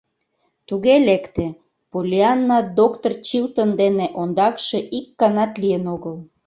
Туге лекте, Поллианна доктыр Чилтон дене ондакше ик ганат лийын огыл.